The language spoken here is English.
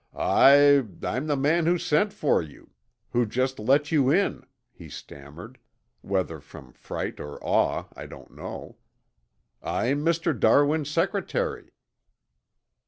"I I'm the man who sent for you, who just let you in," he stammered, whether from fright or awe I don't know. "I'm Mr. Darwin's secretary."